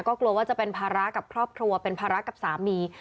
ก็กลัวว่าจะเป็นภาระกับครอบครัวเป็นภาระกับสามี